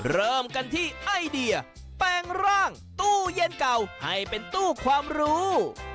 เริ่มกันที่ไอเดียแปลงร่างตู้เย็นเก่าให้เป็นตู้ความรู้